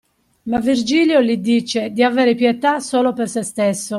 Ma Virgilio gli dice di avere pietà solo per se stesso.